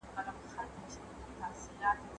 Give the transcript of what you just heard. مدیتیشن ته په خپلو ورځنیو چارو کي ځای ورکړئ.